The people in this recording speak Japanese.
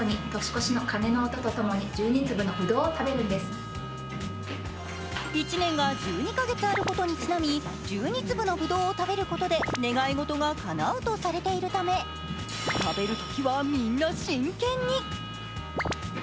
そして１年が１２カ月あることにちなみ、１２粒のぶどうを食べることで願い事がかなうとされているため食べるときは、みんな真剣に。